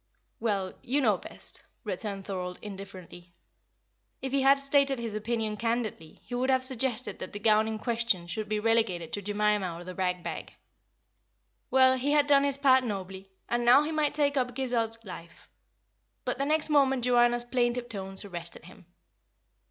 "Well, you know best," returned Thorold, indifferently. If he had stated his opinion candidly, he would have suggested that the gown in question should be relegated to Jemima or the rag bag. Well, he had done his part nobly; and now he might take up Guizot's Life. But the next moment Joanna's plaintive tones arrested him.